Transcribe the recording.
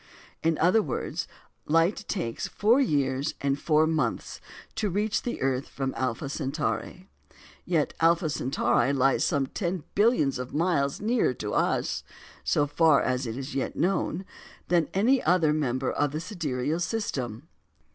In other words, light takes four years and four months to reach the earth from Alpha Centauri; yet Alpha Centauri lies some ten billions of miles nearer to us (so far as is yet known) than any other member of the sidereal system!